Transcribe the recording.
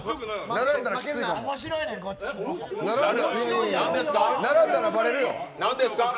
並んだらばれるよ。